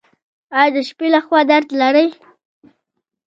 ایا د شپې لخوا درد لرئ؟